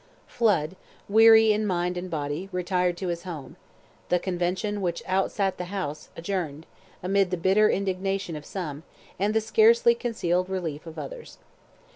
Flood, weary in mind and body, retired to his home; the Convention, which outsat the House, adjourned, amid the bitter indignation of some, and the scarcely concealed relief of others.